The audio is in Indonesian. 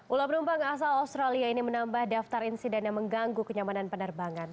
ulah penumpang asal australia ini menambah daftar insiden yang mengganggu kenyamanan penerbangan